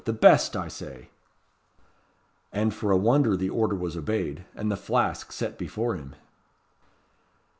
The best, I say." And for a wonder the order was obeyed, and the flask set before him.